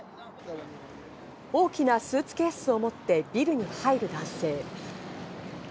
大きなスーツケースを持ってビルに入る男性。